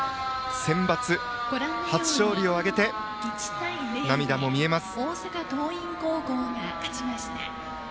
センバツ初勝利を挙げて涙も見えます。